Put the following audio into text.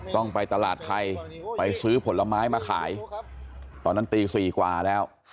ต้องไปตลาดไทยไปซื้อผลไม้มาขายตอนนั้นตี๔กว่าแล้ว